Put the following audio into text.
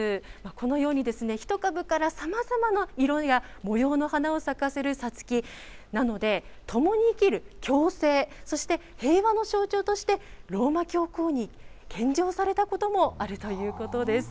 このように、１株からさまざまな色や模様の花を咲かせるさつきなので、共に生きる共生、そして平和の象徴としてローマ教皇に献上されたこともあるということです。